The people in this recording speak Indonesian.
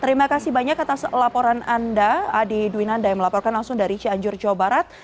terima kasih banyak atas laporan anda adi dwinanda yang melaporkan langsung dari cianjur jawa barat